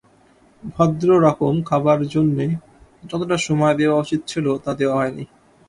ভদ্ররকম খাবার জন্যে যতটা সময় দেওয়া উচিত ছিল তা দেওয়া হয় নি।